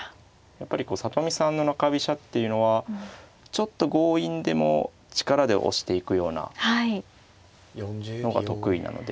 やっぱりこう里見さんの中飛車っていうのはちょっと強引でも力で押していくようなのが得意なので。